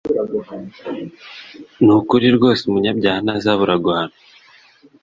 ni ukuri rwose umunyabyaha ntazabura guhanwa,